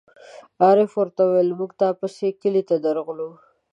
عارف ور ته وویل: مونږ تا پسې کلي ته درغلو.